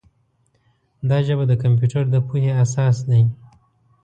دا ژبه د کمپیوټر د پوهې اساس دی.